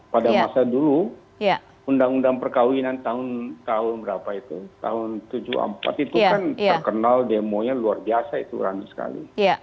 pada masa dulu undang undang perkawinan tahun berapa itu tahun seribu sembilan ratus tujuh puluh empat itu kan terkenal demonya luar biasa itu rame sekali